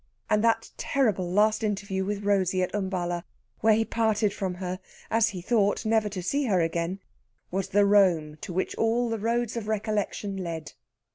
And that terrible last interview with Rosey at Umballa, when he parted from her, as he thought, never to see her again, was the Rome to which all the roads of recollection led.